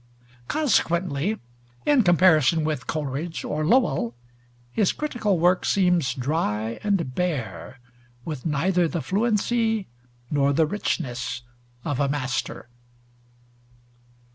Consequently, in comparison with Coleridge or Lowell, his critical work seems dry and bare, with neither the fluency nor the richness of a master.